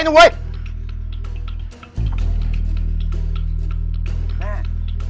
แม่แม่ไม่เป็นไรนะ